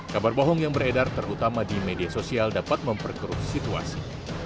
kabar bohong yang beredar terutama di media sosial dapat memperkeruh situasi